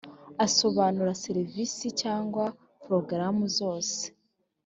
asobanura serivisi cyangwa porogaramu zose